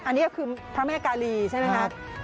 อันนี้ก็คือพระแม่กาลีใช่ไหมคะ